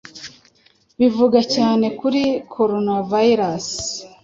bivuga cyane kuri Coronavirus